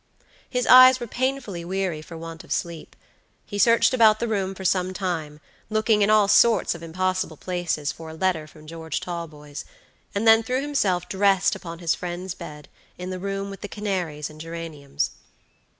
His eyes were painfully weary for want of sleep. He searched about the room for some time, looking in all sorts of impossible places for a letter from George Talboys, and then threw himself dressed upon his friend's bed, in the room with the canaries and geraniums.